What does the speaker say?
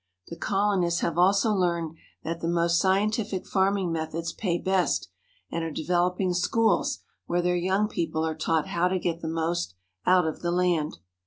The colonists have also learned that the most scientific farming methods pay best, and are developing schools where their young people are taught how to get the most out of the land.